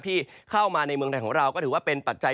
ที่เข้ามาในเมืองไทยของเราก็ถือว่าเป็นปัจจัย